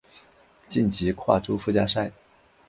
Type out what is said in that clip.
晋级跨洲附加赛。